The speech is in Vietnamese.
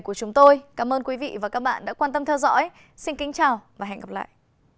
cảm ơn các bạn đã theo dõi xin kính chào và hẹn gặp lại